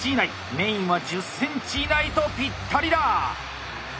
メインは１０ｃｍ以内とピッタリだ！